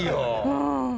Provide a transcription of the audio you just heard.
うん。